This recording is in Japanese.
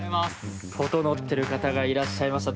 整ってる方がいらっしゃいました。